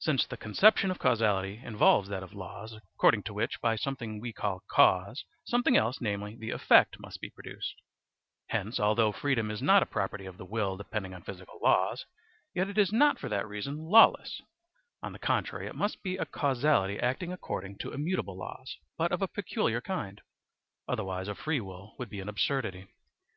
Since the conception of causality involves that of laws, according to which, by something that we call cause, something else, namely the effect, must be produced; hence, although freedom is not a property of the will depending on physical laws, yet it is not for that reason lawless; on the contrary it must be a causality acting according to immutable laws, but of a peculiar kind; otherwise a free will would be an absurdity.